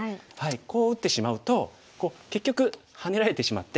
こう打ってしまうと結局ハネられてしまって。